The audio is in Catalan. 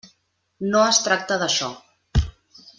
No es tracta d'això.